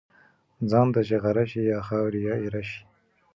ځان ته چی غره شی ، یا خاوري یا ايره شی .